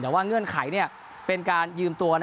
แต่ว่าเงื่อนไขเป็นการยืมตัว